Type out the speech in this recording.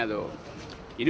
ini berulang kali